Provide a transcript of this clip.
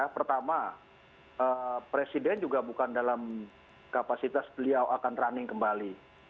pertama presiden juga bukan dalam kapasitas beliau akan running kembali